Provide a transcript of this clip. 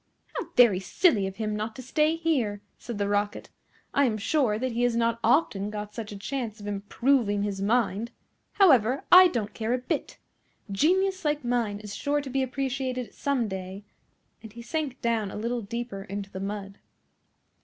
"How very silly of him not to stay here!" said the Rocket. "I am sure that he has not often got such a chance of improving his mind. However, I don't care a bit. Genius like mine is sure to be appreciated some day;" and he sank down a little deeper into the mud.